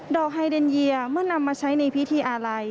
ไฮเดนเยียเมื่อนำมาใช้ในพิธีอาลัย